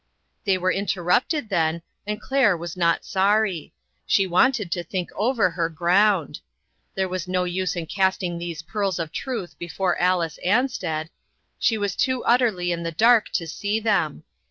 '' They were interrupted then, and Claire was not sorry. She wanted to think over her ground. There was no use in casting these pearls of truth before Alice Ansted , l6o INTERRUPTEB. she was too utterly in the dark to see them.